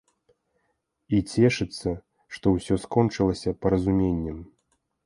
І цешыцца, што ўсё скончылася паразуменнем.